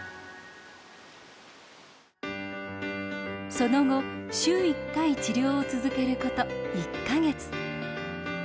その後週１回治療を続けること１か月。